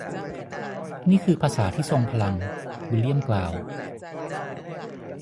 นี่คือภาษาที่ทรงพลัง วิลเลียมกล่าว